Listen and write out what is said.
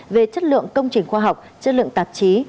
về chất lượng công trình khoa học chất lượng tạp chí